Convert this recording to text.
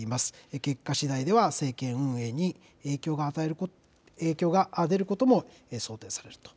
結果しだいでは政権運営に影響が出ることも想定されると。